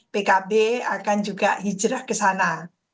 pkb akan juga hijrah kesana